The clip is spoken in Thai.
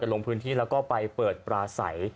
ลงพื้นที่แล้วก็ไปเปิดปลาใส